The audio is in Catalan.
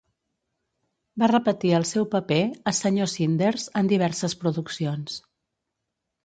Va repetir el seu paper a Sr.Cinders en diverses produccions.